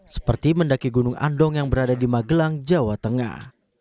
seperti mendaki gunung andong yang berada di magelang jawa tengah